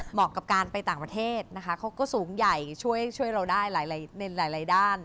กับการไปต่างประเทศนะคะเขาก็สูงใหญ่ช่วยเราได้หลายด้าน